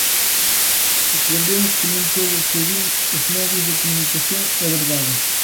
Aprendemos que non todo o que din os medios de comunicación é verdade.